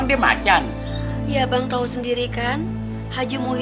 giliran gitph support nya udah